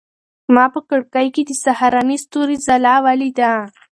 ما په کړکۍ کې د سهارني ستوري ځلا ولیده.